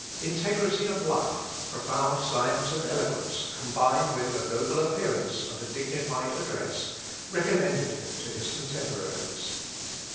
Integrity of life, profound science and eloquence, combined with a noble appearance and a dignified address, recommended him to his contemporaries.